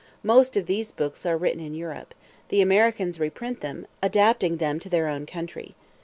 Most of these books are written in Europe; the Americans reprint them, adapting them to their own country.